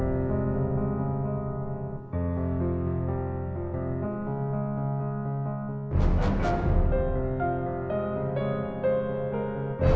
aku mau ke rumah